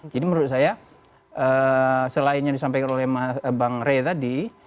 jadi menurut saya selain yang disampaikan oleh bang rey tadi